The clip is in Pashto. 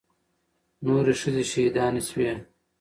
نورې ښځې شهيدانې سوې.